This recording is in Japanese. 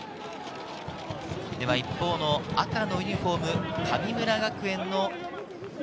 一方の赤のユニホーム、神村学園の。